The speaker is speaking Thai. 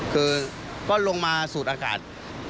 คือก็ลงมาสูดอากาศ